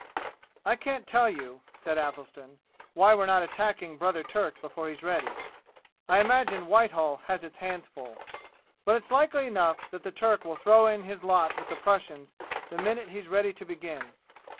"I can't tell you," said Athelstan, "why we're not attacking brother Turk before he's ready. I imagine Whitehall has its hands full. But it's likely enough that the Turk will throw in his lot with the Prussians the minute he's ready to begin.